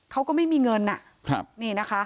เขาก็ไม่มีเงิน